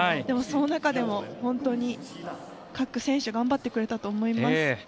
でも、その中でも本当に各選手頑張ってくれたと思います。